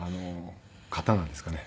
刀ですかね。